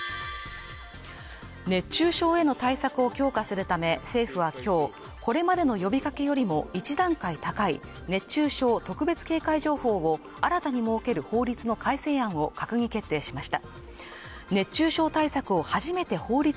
熱中症への対策を強化するため、政府は今日、これまでの呼びかけよりも一段階高い熱中症特別警戒情報を新たに設ける法律の改正案を閣議決定しました。